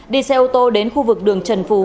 đi xe ô tô đến khu vực đường trần phú